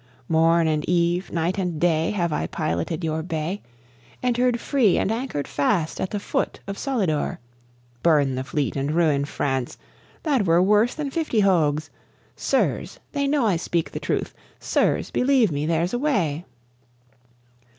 Morn and eve, night and day. Have I piloted your bay, Entered free and anchored fast at the foot of Solidor. Burn the fleet and ruin France? That were worse than fifty Hogues! Sirs, they know I speak the truth! Sirs, believe me there's a way!